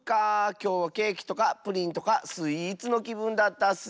きょうはケーキとかプリンとかスイーツのきぶんだったッス。